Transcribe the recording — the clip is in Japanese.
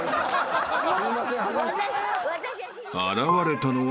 ［現れたのは］